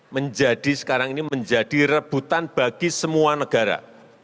menjadi sekarang ini menjadi rebutan bagi semua negara